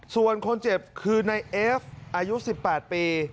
ส่วนคนเจ็บคือในเอฟอายุ๑๘ปี